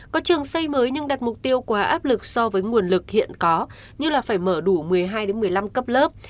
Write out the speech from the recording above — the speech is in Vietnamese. có trường xây mới nhưng đặt mục tiêu quá áp lực so với nguồn lực hiện có như là phải mở đủ một mươi hai một mươi năm cấp lớp